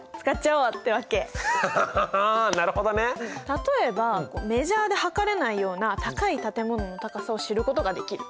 例えばメジャーで測れないような高い建物の高さを知ることができる。